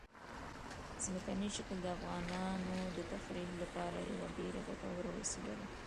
ځمکنی شکل د افغانانو د تفریح لپاره یوه ډېره ګټوره وسیله ده.